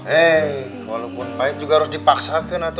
hei walaupun pahit juga harus dipaksakan